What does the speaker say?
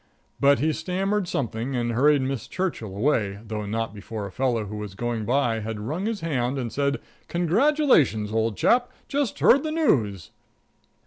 But he stammered something and hurried Miss Churchill away, though not before a fellow who was going by had wrung his hand and said, "Congratulations, old chap. Just heard the news."